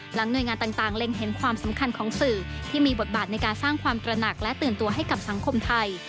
หน่วยงานต่างเล็งเห็นความสำคัญของสื่อที่มีบทบาทในการสร้างความตระหนักและตื่นตัวให้กับสังคมไทย